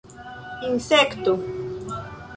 insekto